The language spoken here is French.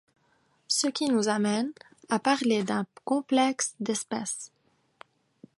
Ce qui nous amène à parler d'un complexe d'espèce.